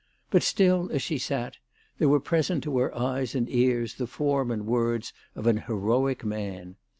But still, as she sat, there were present to her eyes and ears the form and words of an heroic man.